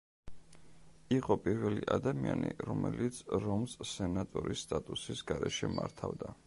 იყო პირველი ადამიანი, რომელიც რომს სენატორის სტატუსის გარეშე მართავდა.